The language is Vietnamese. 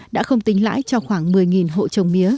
đã không tính lãi cho khoảng một mươi hộ trồng mía